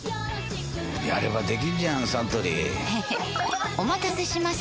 やればできんじゃんサントリーへへっお待たせしました！